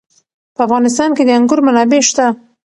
په افغانستان کې د انګور منابع شته.